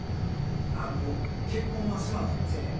ああもう結婚は迫ったりはせえへん。